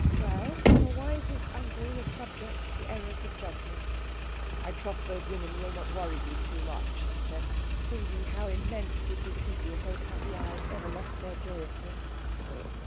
Well, the wisest uncle was subject to errors of judgment. "I trust those women will not worry you too much," he said, thinking how immense would be the pity if those happy eyes ever lost their joyousness.